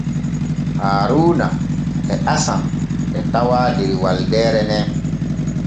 Haaruuna e Hasan e tawaa der walde nen.